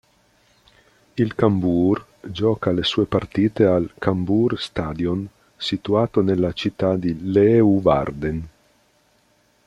Il Cambuur gioca le sue partite al Cambuur Stadion, situato nella città di Leeuwarden.